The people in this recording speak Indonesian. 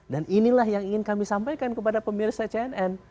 dan inilah yang ingin kami sampaikan kepada pemirsa cnn